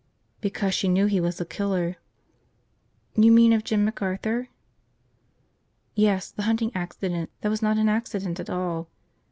"Because she knew he was a killer." "You mean of Jim McArthur?" "Yes, the hunting accident that was not an accident at all.